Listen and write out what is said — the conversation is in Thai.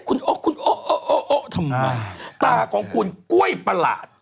คุณโอ๊ะทำไมตาของคุณกล้วยประหลาด